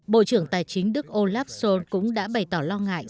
bộ trưởng tài chính đức olaf scholz cũng đã bày tỏ lo ngại